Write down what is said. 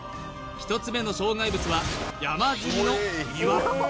１つ目の障害物は山積みの岩